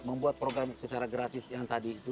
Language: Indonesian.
membuat program secara gratis yang tadi itu